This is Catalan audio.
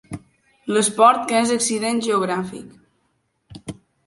L'esport que és accident geogràfic.